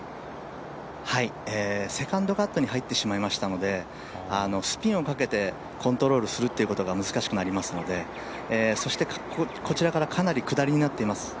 セカンドカットに入ってしまいましたのでスピンをかけてコントロールすることが難しくなりますのでそしてこちらからかなり下りになっています。